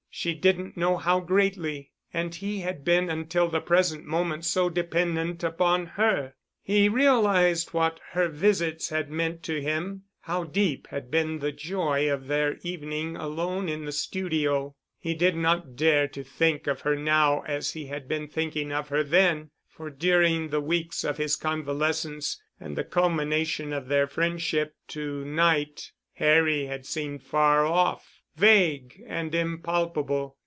She didn't know how greatly. And he had been until the present moment so dependent upon her. He realized what her visits had meant to him, how deep had been the joy of their evening alone in the studio. He did not dare to think of her now as he had been thinking of her then—for during the weeks of his convalescence and the culmination of their friendship to night Harry had seemed far off, vague and impalpable.